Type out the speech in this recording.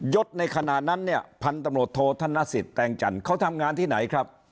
ศในขณะนั้นเนี่ยพันตำรวจโทษธนสิทธิแตงจันทร์เขาทำงานที่ไหนครับ